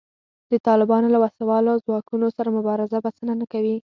د طالبانو له وسله والو ځواکونو سره مبارزه بسنه نه کوي